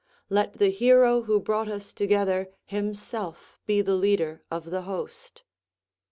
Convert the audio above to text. Let the hero who brought us together, himself be the leader of the host."